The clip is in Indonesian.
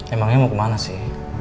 emangnya mau kemana sih